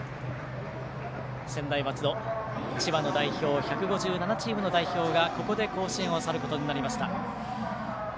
専大松戸、千葉の１５７チームの代表がここで甲子園を去ることになりました。